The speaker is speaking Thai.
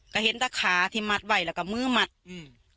ก็เห็นแต่ขาที่มัดไว้แล้วก็มือมัดอืม